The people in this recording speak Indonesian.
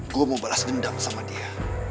gue mau balas dendam sama dia